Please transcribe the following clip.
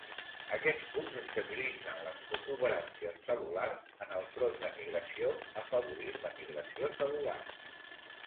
Aquests punts estabilitzen les protuberàncies cel·lulars en el front de migració afavorint la migració cel·lular.